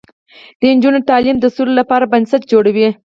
د نجونو تعلیم د سولې لپاره بنسټ جوړوي.